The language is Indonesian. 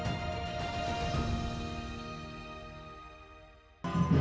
apa yang akan terjadi pada hari berikutnya